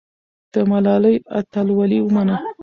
د ملالۍ اتلولي ومنه.